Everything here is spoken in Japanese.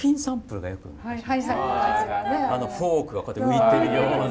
フォークがこうやって浮いてるような。